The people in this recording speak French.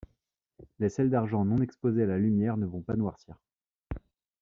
Les sels d'argent non exposés à la lumière ne vont pas noircir.